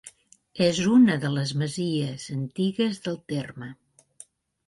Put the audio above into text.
És una de les masies antigues del terme.